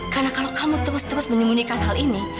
karena kalau kamu terus terus menyembunyikan hal ini